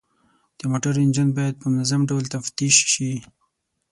د موټرو انجن باید په منظم ډول تفتیش شي.